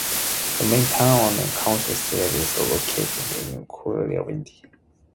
The main town and Council seat is located in Quirindi.